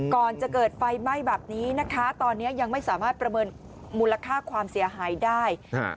ก่อนจะเกิดไฟไหม้แบบนี้นะคะตอนนี้ยังไม่สามารถประเมินมูลค่าความเสียหายได้